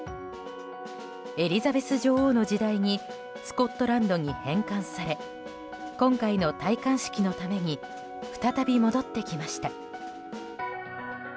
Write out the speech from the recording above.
エリザベス女王の時代にスコットランドに返還され今回の戴冠式のために再び戻ってきました。